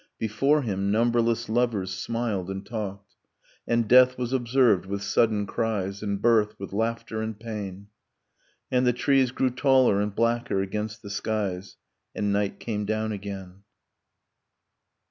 Before him, numberless lovers smiled and talked. And death was observed with sudden cries, And birth with laughter and pain. And the trees grew taller and blacker against the skies And night came down again.